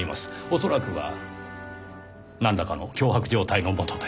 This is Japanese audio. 恐らくはなんらかの脅迫状態のもとで。